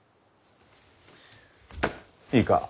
いいか？